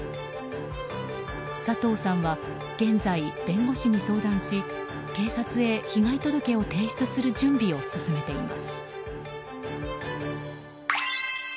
佐藤さんは現在、弁護士に相談し警察へ被害届を提出する準備を進めています。